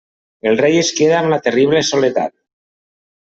El rei es queda amb la terrible soledat.